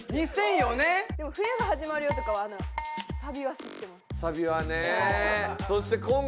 でも『冬がはじまるよ』とかはサビは知ってます。